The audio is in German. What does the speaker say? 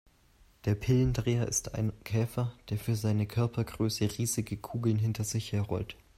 Der Pillendreher ist ein Käfer, der für seine Körpergröße riesige Kugeln hinter sich her rollt.